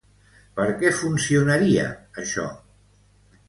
Per què funcionaria, això?